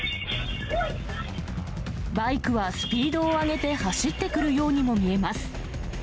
バイクはスピードを上げて走ってくるようにも見えます。